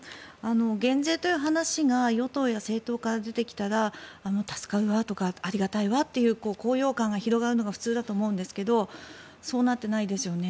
減税という話が与党や政党から出てきたら助かるわとかありがたいわとかっていう高揚感が広がるのが普通だと思うんですけどそうなっていないですよね。